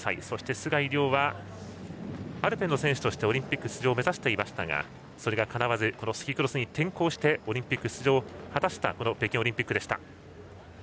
そして須貝龍はアルペンの選手としてオリンピック出場を目指していましたがそれがかなわずスキークロスに転向してオリンピック出場を果たしたこの北京オリンピックでした。